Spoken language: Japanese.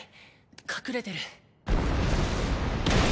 隠れてる。